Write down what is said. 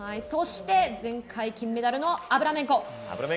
そして前回金メダルのアブラメンコ。